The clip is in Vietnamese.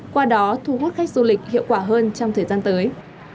qua đó thu hút khách du lịch hiệu quả hơn trong thời gian tới